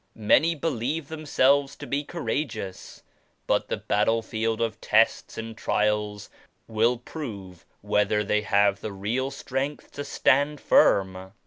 Many believe themselves to be courageous but the battlefield of tests and trials will prove whether they have the real strength to stand firm.